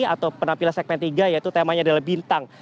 atau penampilan segmen tiga yaitu temanya adalah bintang